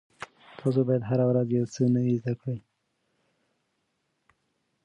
تاسو باید هره ورځ یو څه نوي زده کړئ.